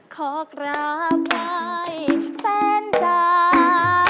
ขอกราบไหว้แฟนจ้า